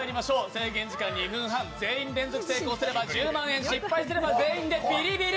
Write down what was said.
制限時間２分半、全員連続成功すれば１０万円失敗すれば全員でビリビリ。